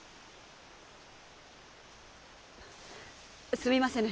すみませぬ。